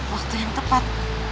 waktu yang tepat